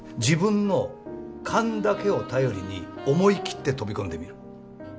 自分の勘だけを頼りに思い切って飛び込んでみる。